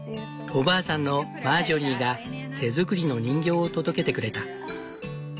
おばあさんのマージョリーが手作りの人形を届けてくれた。